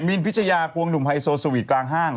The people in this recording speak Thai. มีนพิชยาควงหนุ่มไฮโซสวีทกลางห้าง